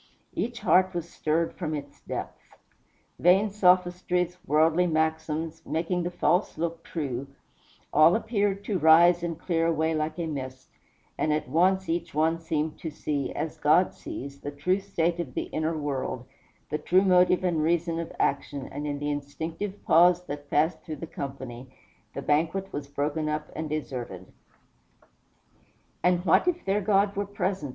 Each heart was stirred from its depths. Vain sophistries, worldly maxims, making the false look true, all appeared to rise and clear away like a mist; and at once each one seemed to see, as God sees, the true state of the inner world, the true motive and reason of action, and in the instinctive pause that passed through the company, the banquet was broken up and deserted. "And what if their God were present?"